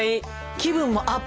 気分もアップ。